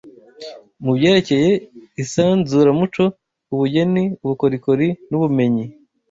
Mu byerekeye isanzuramuco, ubugeni, ubukorikori n’ubumenyi